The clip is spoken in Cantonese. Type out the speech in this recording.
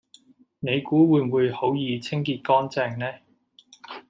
你估會唔會好易清潔乾淨呢